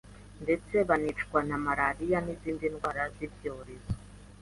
ndetse banicwa na malariya n’izindi ndwara z’ibyorezo